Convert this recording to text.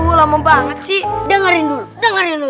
siapa sih tadi yang menang bola tuh